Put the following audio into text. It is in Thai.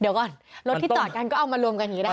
เดี๋ยวก่อนรถที่จอดกันก็เอามารวมกันอย่างนี้ได้